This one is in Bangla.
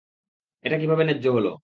এটা কীভাবে ন্যায্য হলো?